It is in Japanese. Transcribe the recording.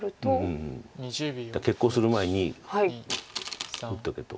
だから決行する前に打っとけと。